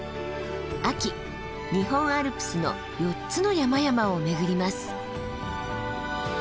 秋日本アルプスの４つの山々を巡ります。